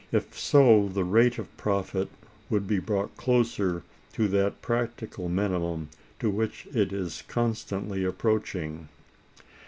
If so, the rate of profit would be brought closer to that practical minimum to which it is constantly approaching.